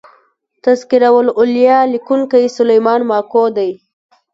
" تذکرة الاولیا" لیکونکی سلیمان ماکو دﺉ.